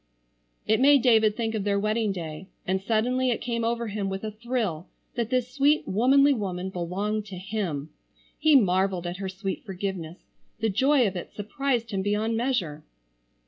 It made David think of their wedding day, and suddenly it came over him with a thrill that this sweet womanly woman belonged to him. He marvelled at her sweet forgiveness. The joy of it surprised him beyond measure.